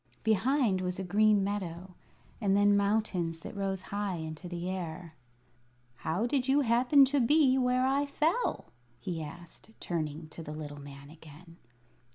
Behind was a green meadow, and then mountains that rose high into the air. "How did you happen to be where I fell?" he asked, turning to the little man again.